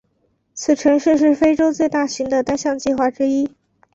此城市是非洲最大型的单项计划之一。